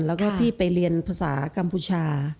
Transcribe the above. แล้วก็พี่ไปเรียนภาษากัมพูชา